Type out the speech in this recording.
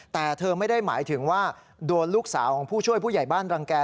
แต่เธอไม่ได้หมายถึงว่าโดนลูกสาวของผู้ช่วยผู้ใหญ่บ้านรังแก่